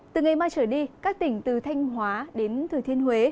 từ ngày mai trở đi các tỉnh từ thanh hóa đến thừa thiên huế